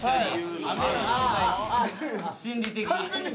心理的に。